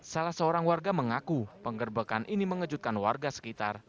salah seorang warga mengaku penggerbekan ini mengejutkan warga sekitar